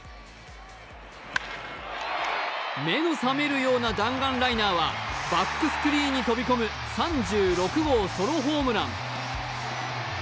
目の覚めるような弾丸ライナーはバックスクリーンに飛び込む３６号ソロホームラン。